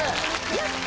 やった！